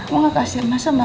mau gak kasih mas